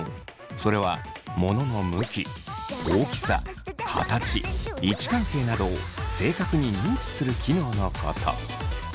それはモノの向き大きさ形位置関係などを正確に認知する機能のこと。